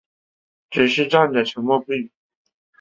只是站着沉默不语